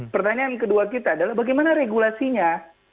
pertanyaan kedua kita adalah bagaimana regulasinya